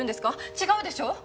違うでしょ！